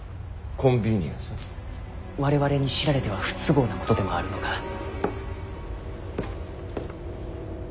「我々に知られては不都合なことでもあるのか？」。